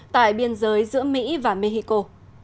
tại biên giới giữa mỹ và mexico